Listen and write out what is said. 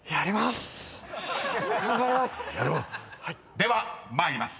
［では参ります。